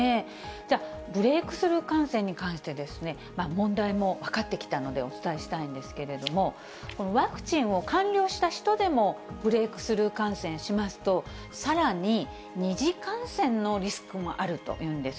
じゃあブレークスルー感染に関して、問題も分かってきたので、お伝えしたいんですけれども、このワクチンを完了した人でもブレークスルー感染しますと、さらに二次感染のリスクもあるというんです。